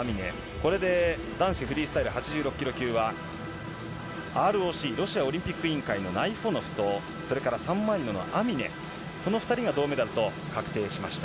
これで男子フリースタイル８６キロ級は、ＲＯＣ・ロシアオリンピック委員会のナイフォノフと、それからサンマリノのアミネ、この２人が銅メダルと確定しました。